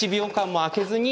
空けずに？